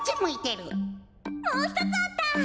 もうひとつあった！